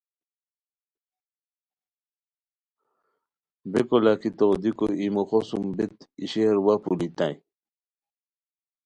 بیکو لاکھی تو دیکو ای موخو سوم بیت ای شہر وا پولوئیتائے